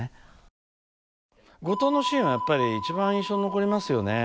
五島のシーンはやっぱり一番印象に残りますよね。